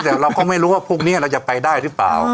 แล้วเราก็ไม่รู้พวกนี้จะมันไปได้หรือเปล่า